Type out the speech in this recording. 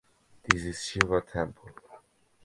This is Shiva temple.